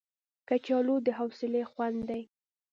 کچالو د حوصلې خوند دی